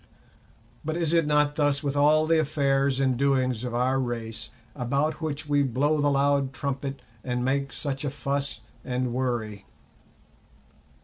But is it not thus with all the affairs and doings of our race about which we blow the loud trumpet and make such a fuss and worry?